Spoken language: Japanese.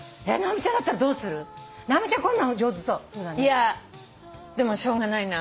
いやでもしょうがないな。